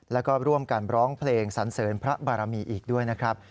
แล้วก็ร่วมกันร้องเพลงสันเสริญพระบารมีอีกด้วยนะครับ